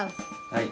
はい。